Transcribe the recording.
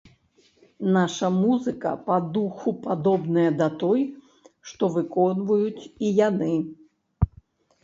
Наша музыка па духу падобная да той, што выконваюць і яны.